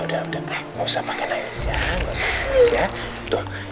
sudah sudah gak usah panggil nangis ya gak usah panggil nangis